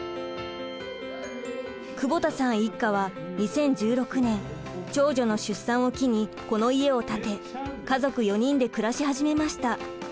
久保田さん一家は２０１６年長女の出産を機にこの家を建て家族４人で暮らし始めました。